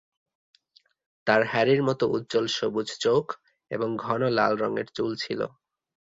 তার হ্যারির মত উজ্জ্বল সবুজ চোখ এবং ঘন লাল রঙের চুল ছিল।